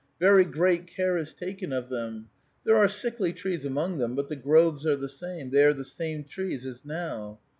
Very great care is taken of them. There are sickly trees among them, but the groves are the same : they are the same trees as now.